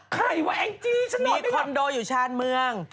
ใครวะแองจีฉันนอนไม่ว่ามีคอนโดอยู่ชาญเมือง